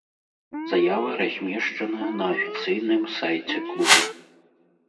Заява размешчана на афіцыйным сайце клуба.